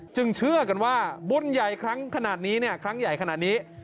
จึงเชื่อกันว่าบุญใหญ่ครั้งขนาดนี้